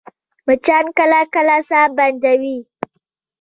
مچان کله کله ساه بندوي